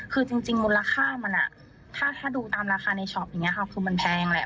คือจริงมูลค่ามันถ้าดูตามราคาในช็อปคือมันแพงแล้ว